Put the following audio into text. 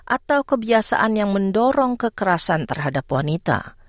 atau kebiasaan yang mendorong kekerasan terhadap wanita